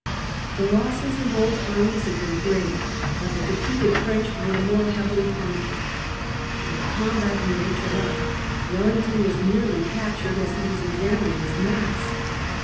The losses in both armies had been great, but the defeated French were the more heavily punished. In the combat near Echallar Wellington was nearly captured as he was examining his maps.